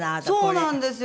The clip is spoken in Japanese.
そうなんですよ。